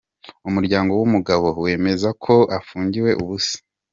Umuryango w’umugabo wemeza ko afungiwe ubusa….